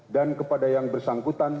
dan kepada yang bersangkutan